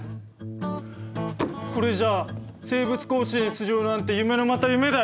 これじゃあ生物甲子園出場なんて夢のまた夢だよ。